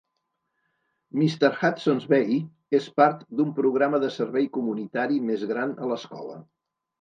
Mr. Hudson's Bay és part d'un programa de servei comunitari més gran a l'escola.